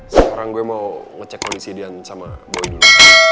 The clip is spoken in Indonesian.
sekarang gue mau ngecek kondisi dian sama boy dulu